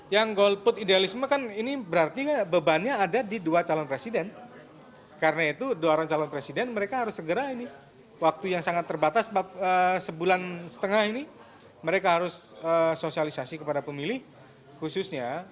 yang golput idealisme kan ini berarti bebannya ada di dua calon presiden karena itu dua orang calon presiden mereka harus segera ini waktu yang sangat terbatas sebulan setengah ini mereka harus sosialisasi kepada pemilih khususnya